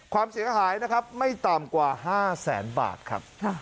ความเสียหายนะครับไม่ต่ำกว่า๕แสนบาทครับ